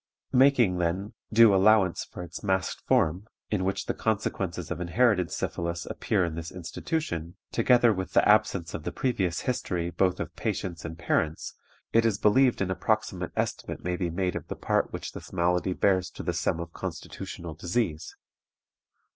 Making, then, due allowance for its masked form, in which the consequences of inherited syphilis appear in this institution, together with the absence of the previous history both of patients and parents, it is believed an approximate estimate may be made of the part which this malady bears to the sum of constitutional disease.